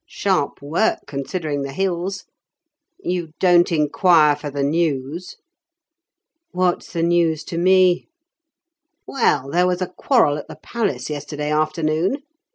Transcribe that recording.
Sharp work, considering the hills. You don't inquire for the news." "What's the news to me?" "Well, there was a quarrel at the palace yesterday afternoon.